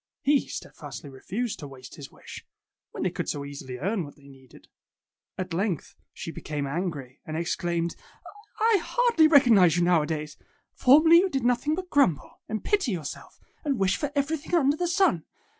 He steadfastly refused to waste his wish, when they could so easily earn what they needed. At length she became angry and exclaimed, 'H hardly recognize you, now a days! Formerly you did noth ing but grumble, and pity yourself, and wish for everything under the sun.